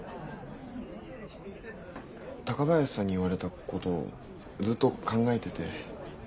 高林さんに言われたことずっと考えてて。